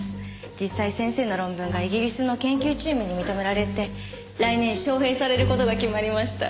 実際先生の論文がイギリスの研究チームに認められて来年招聘される事が決まりました。